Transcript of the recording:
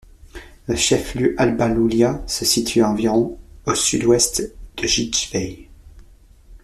Le chef-lieu Alba Iulia se situe à environ au sud-ouest de Jidvei.